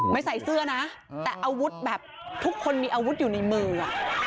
ใส่เสื้อนะแต่อาวุธแบบทุกคนมีอาวุธอยู่ในมืออ่ะ